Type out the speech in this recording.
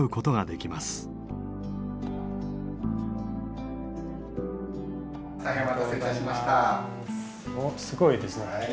おっすごいですね。